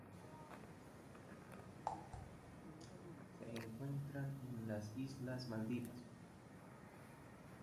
Se encuentran en las islas Maldivas.